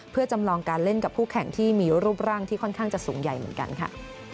เพื่อจำลองการเล่นกับคู่แข่งที่มีรูปร่างที่ค่อนข้างจะสูงใหญ่เหมือนกันค่ะ